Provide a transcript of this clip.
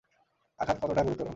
আঘাত কতটা গুরুতর?